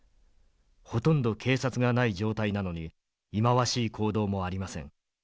ほとんど警察がない状態なのに忌まわしい行動もありません。